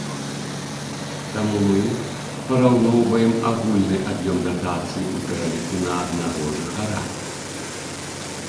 Таму мы параўноўваем агульны аб'ём датацый у пераліку на аднаго жыхара.